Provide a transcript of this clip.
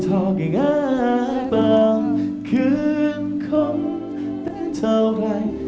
ต่างคืนคงเป็นเท่าไหร่